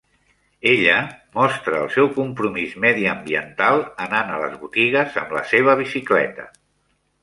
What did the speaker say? Ella mostra el seu compromís mediambiental anant a les botigues amb la seva bicicleta